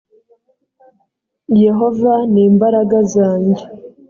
yehova ni imbaraga zanjye.